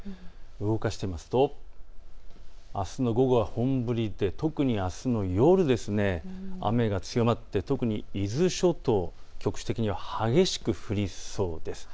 動かしてみますとあすの午後は本降りで特にあすの夜、雨が強まって特に伊豆諸島局地的には激しく降りそうです。